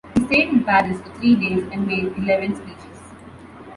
He stayed in Paris for three days and made eleven speeches.